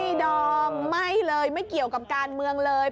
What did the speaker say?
ดอมไม่เลยไม่เกี่ยวกับการเมืองเลย